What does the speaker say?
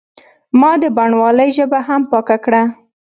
ما د بڼوالۍ ژبه هم پاکه کړه.